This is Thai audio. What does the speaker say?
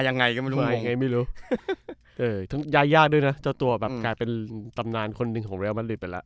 ไงไม่รู้เอ่อทั้งยาดยากด้วยน่ะเจ้าตัวแบบกลายเป็นตำนานคนหนึ่งของเรียลมันฤทธิ์ไปแล้ว